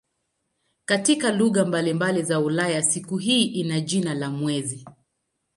Katika lugha mbalimbali za Ulaya siku hii ina jina la "mwezi".